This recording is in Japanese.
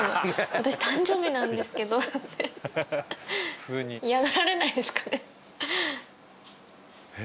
私誕生日なんですけどって嫌がられないですかね？